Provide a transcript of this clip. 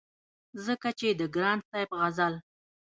ځکه چې د ګران صاحب غزل